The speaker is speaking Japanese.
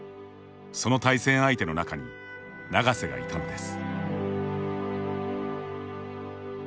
その対戦相手の中に永瀬がいたのです。